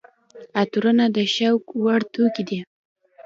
عطرونه د شوق وړ توکي دي.